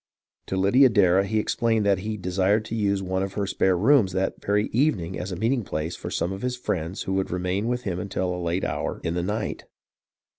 To Lydia Darrah he explained that he desired to use one of her spare rooms that very evening as a meeting place for some of his friends who would remain with him until a late hour in the night.